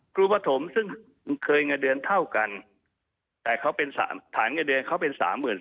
ครูปฐมซึ่งเคยเงินเดือนเท่ากันแต่ฐานเงินเดือนเขาเป็น๓๒๔๐๐